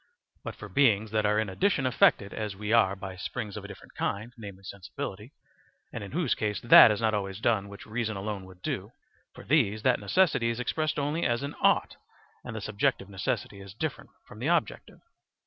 But for beings that are in addition affected as we are by springs of a different kind, namely, sensibility, and in whose case that is not always done which reason alone would do, for these that necessity is expressed only as an "ought," and the subjective necessity is different from the objective.